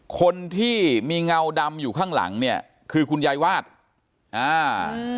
คนที่มีเงาดำอยู่ข้างหลังเนี่ยคือคุณยายวาดอ่า